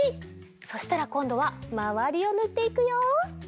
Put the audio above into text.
そしたらこんどはまわりをぬっていくよ。